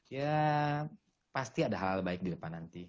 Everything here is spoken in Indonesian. ya pasti ada hal hal baik di depan nanti